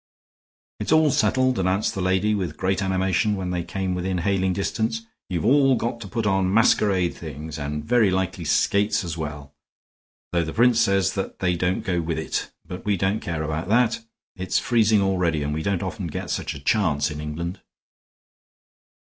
"It's all settled," announced the lady, with great animation, when they came within hailing distance. "You've all got to put on masquerade things and very likely skates as well, though the prince says they don't go with it; but we don't care about that. It's freezing already, and we don't often get such a chance in England."